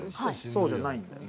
そうじゃないんだよね？